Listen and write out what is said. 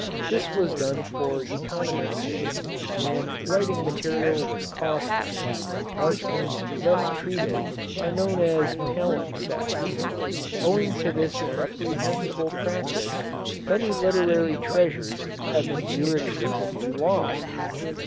This was done for economy's sake, when writing material was costly, and parchments thus treated are known as palimpsests. Owing to this reprehensible practice, many literary treasures have been irretrievably lost.